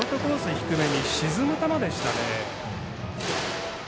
低めに沈む球でしたね。